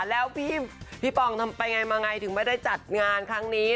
แล้วพี่ปองทำไปไงมาไงถึงไม่ได้จัดงานครั้งนี้